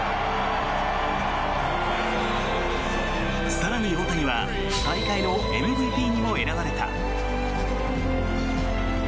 更に大谷は大会のＭＶＰにも選ばれた。